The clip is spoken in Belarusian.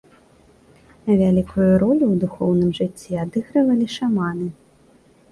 Вялікую ролю ў духоўным жыцці адыгрывалі шаманы.